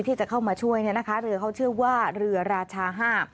ที่จะเข้ามาช่วยเนี่ยนะคะเรือเขาชื่อว่าเรือราชาห้า